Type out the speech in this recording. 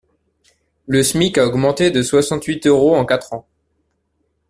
Le Smic a augmenté de soixante-huit euros en quatre ans.